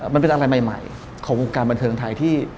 มันเป็นอะไรใหม่ของวงการบันเทิงไทยที่